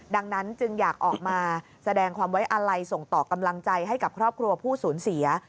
ดังนั้นจึงอยากออกมาแสดงความไว้อาลัยส่งต่อกำลังใจให้กับครอบครัวผู้สูญเสีย